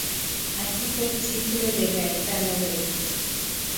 Aquí fue discípulo de Gaetano Greco.